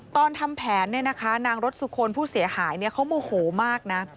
ตอนทำแผนนี่นะคะนางรถสุโคนผู้เสียหายเขาโมโหมากนะ